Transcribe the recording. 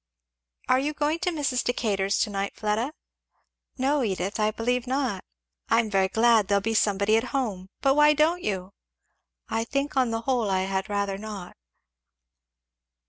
"Are you going to Mrs. Decatur's to night, Fleda?" "No, Edith, I believe not" "I'm very glad; then there'll be somebody at home. But why don't you?" "I think on the whole I had rather not."